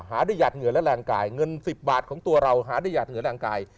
หาด้วยหัดเหงื่อและแรงกายเงิน๑๐บาทของตัวเราหาได้หัดเหนือแรงกาย